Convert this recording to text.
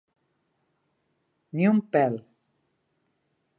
Ni un pèl.